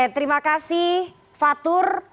terima kasih fatur